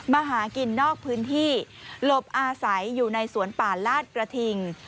มาหากินนอกพื้นที่หลบอาศัยอยู่ในสวนป่าลาดกระทิง